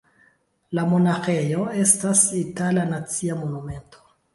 La monaĥejo estas itala nacia monumento.